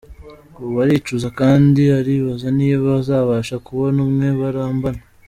Ubu aricuza kandi aribaza niba azabasha kubona umwe barambana.